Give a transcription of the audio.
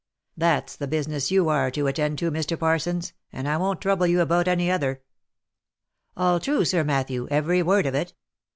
That's the business you are to attend to, Mr. Parsons, and I won't trouble you about any other." " All true, Sir Matthew, every word of it.